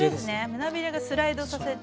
胸ビレがスライドさせて。